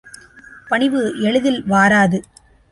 பணிவு எளிதில் வாராது.